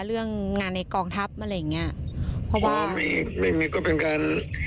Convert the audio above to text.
เรื่องงานในกองทัพอะไรอย่างเงี้ยเพราะว่าไม่ไม่ก็เป็นการ